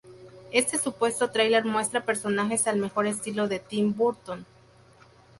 Este supuesto trailer muestra personajes al mejor estilo de Tim Burton.